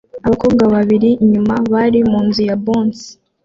abakobwa babiri bari inyuma bari munzu ya bouncy